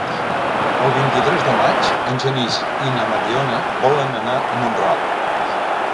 El vint-i-tres de maig en Genís i na Mariona volen anar a Mont-ral.